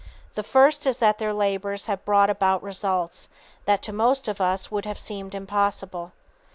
The first is that their labors have brought about results that to most of us would have seemed impossible.